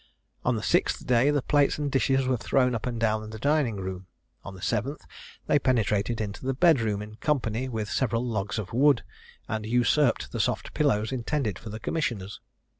On the sixth day, the plates and dishes were thrown up and down the dining room. On the seventh, they penetrated into the bed room in company with several logs of wood, and usurped the soft pillows intended for the commissioners.